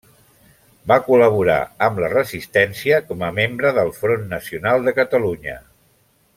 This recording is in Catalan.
Va col·laborar amb la Resistència com a membre del Front Nacional de Catalunya.